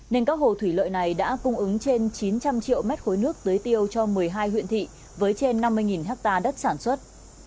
nên các hồ thủy lợi này đã cung ứng trên chín trăm linh triệu mét khối nước tưới tiêu cho một mươi hai huyện thị với trên năm mươi hectare đất sản xuất